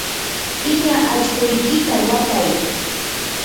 piña allquykita watay.